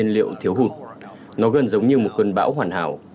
nhiên liệu thiếu hụt nó gần giống như một cơn bão hoàn hảo